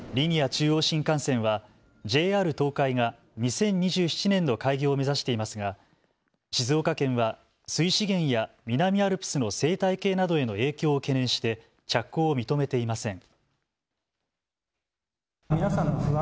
中央新幹線はＪＲ東海が２０２７年の開業を目指していますが静岡県は水資源や南アルプスの生態系などへの影響を懸念して着工を認めていません。